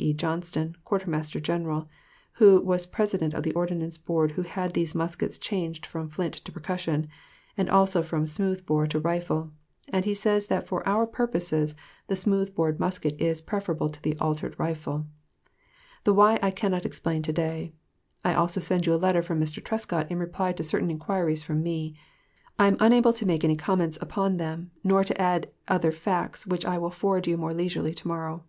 E. Johnston, Quartermaster General, who was President of the Ordnance Board who had these muskets changed from flint to percussion, and also from smooth bore to rifle, and he says that for our purposes the smooth bored musket is preferable to the altered rifle. The why I cannot explain to day.... I also send you a letter from Mr. Trescott, in reply to certain inquiries from me. I am unable to make any comments upon them nor to add other facts which I will forward you more leisurely to morrow....